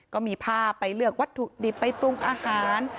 ก็มีภาพไปเลือกวัตถุดิบไปปรุงอาหาร